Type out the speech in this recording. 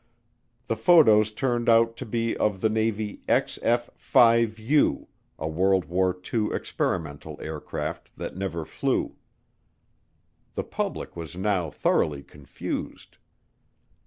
The photos turned out to be of the Navy XF 5 U, a World War II experimental aircraft that never flew. The public was now thoroughly confused.